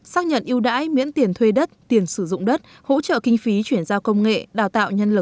xác nhận yêu đãi miễn tiền thuê đất tiền sử dụng đất